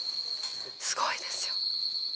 すごいですよ。